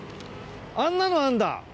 あんなのあるんだ。